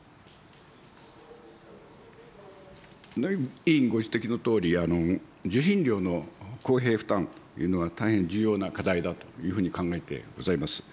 委員ご指摘のとおり、受信料の公平負担というのは、大変重要な課題だというふうに考えてございます。